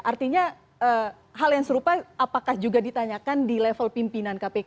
artinya hal yang serupa apakah juga ditanyakan di level pimpinan kpk